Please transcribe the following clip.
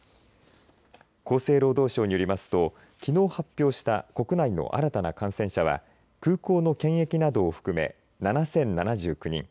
厚生労働省によりますときのう発表した国内の新たな感染者は空港の検疫などを含め７０７９人。